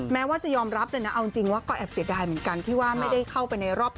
แม้ว่าจะยอมรับเลยนะเอาจริงว่าก็แอบเสียดายเหมือนกันที่ว่าไม่ได้เข้าไปในรอบ